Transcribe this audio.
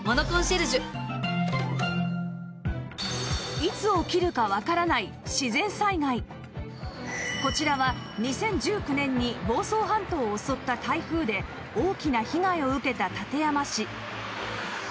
いつ起きるかわからないこちらは２０１９年に房総半島を襲った台風で大きな被害を受けた館山市